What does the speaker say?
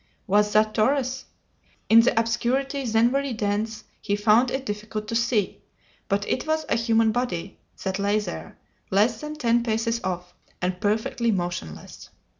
Was that Torres? In the obscurity, then very dense, he found it difficult to see; but it was a human body that lay there, less than ten paces off, and perfectly motionless!